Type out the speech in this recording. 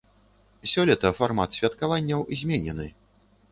Сёлета фармат святкаванняў зменены.